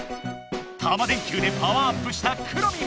タマ電Ｑでパワーアップしたくろミン！